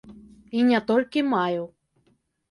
І не толькі маю.